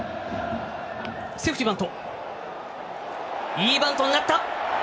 いいバントになった！